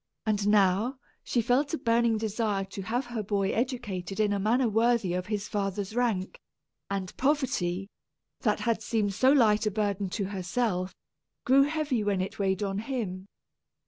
And now, she felt a burning desire to have her boy educated in a manner worthy of his father's rank; and poverty, that had seemed so light a burden to herself, grew heavy when it weighed on him.